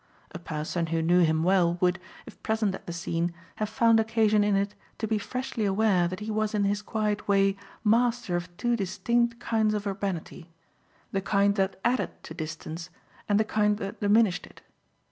A person who knew him well would, if present at the scene, have found occasion in it to be freshly aware that he was in his quiet way master of two distinct kinds of urbanity, the kind that added to distance and the kind that diminished it.